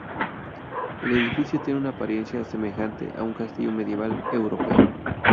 El edificio tiene una apariencia semejante a un castillo medieval europeo.